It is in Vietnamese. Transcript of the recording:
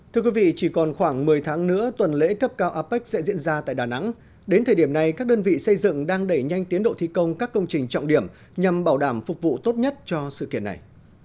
thưa quý vị chỉ còn khoảng một mươi tháng nữa tuần lễ cấp cao apec sẽ diễn ra tại đà nẵng đến thời điểm này các đơn vị xây dựng đang đẩy nhanh tiến độ thi công các công trình trọng điểm nhằm bảo đảm phục vụ tốt nhất cho sự kiện này